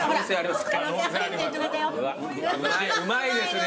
うまいですね。